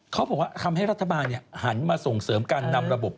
เขาบอกว่าทำให้รัฐบาลหันมาส่งเสริมการนำระบบ